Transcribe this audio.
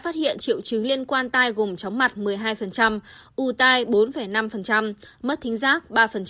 triệu chứng liên quan tai gồm chóng mặt một mươi hai u tai bốn năm mất thính giác ba